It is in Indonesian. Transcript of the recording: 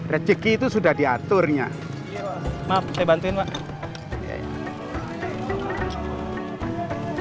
saya lebih takut sama gusti allah daripada sama para pembelian